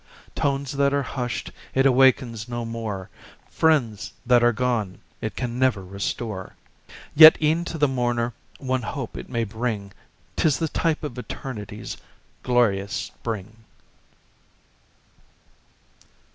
Tones that are hushed it awakens no more; "Friends that are gone" it can never restore; Yet e'en to the mourner one hope it may bring, 'Tis the type of Eternity's glorious spring.